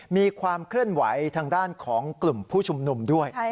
มีความเคลื่อนไหวทางด้านของกลุ่มผู้ชุมนุมด้วย